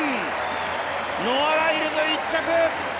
ノア・ライルズ１着！